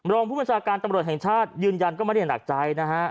รองผู้บัญชาการตำรวจแห่งชาติยืนยันก็ไม่ได้หนักใจนะฮะ